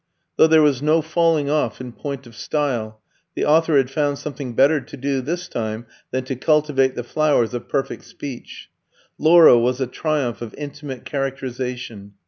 Though there was no falling off in point of style, the author had found something better to do this time than to cultivate the flowers of perfect speech. "Laura" was a triumph of intimate characterisation.